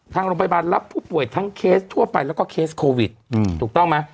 ทางโรงพยาบาลรับผู้ป่วยทั้งเคสทั่วไปแล้วก็เคสโควิดถูกต้องไหม